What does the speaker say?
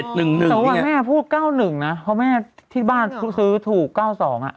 แต่ว่าแม่พูด๙๑นะเพราะแม่ที่บ้านซื้อถูก๙๒อ่ะ